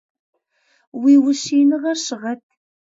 Уи ущииныгъэр щыгъэт!